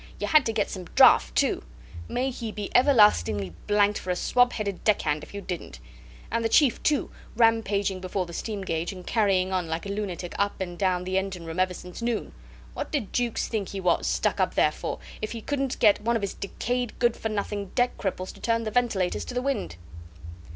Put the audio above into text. You had to get some draught, too may he be everlastingly blanked for a swab headed deck hand if you didn't! And the chief, too, rampaging before the steam gauge and carrying on like a lunatic up and down the engine room ever since noon. What did Jukes think he was stuck up there for, if he couldn't get one of his decayed, good for nothing deck cripples to turn the ventilators to the wind?